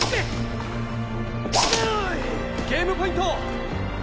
ゲームポイント！